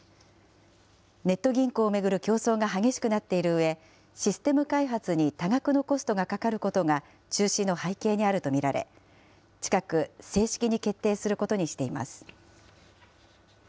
ネット銀行を巡る競争が激しくなっているうえ、システム開発に多額のコストがかかることが中止の背景にあると見られ、近く、正式に決定することにしています。